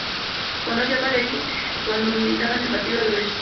Conoció a Pavelić cuando militaba en el Partido de los Derechos croata.